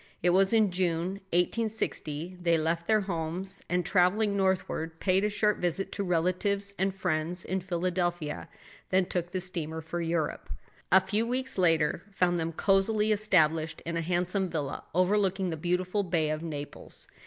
It was in June, 1860, they left their homes; and traveling northward, paid a short visit to relatives and friends in Philadelphia; then took the steamer for Europe. A few weeks later found them cozily established in a handsome villa overlooking the beautiful bay of Naples.